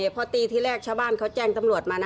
พอตีที่แรกชาวบ้านเขาแจ้งตำรวจมานะ